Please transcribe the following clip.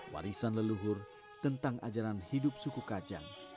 warisan leluhur tentang ajaran hidup suku kajang